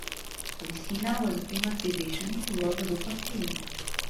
Avicenna was a famous physician who wrote the Book of Healing.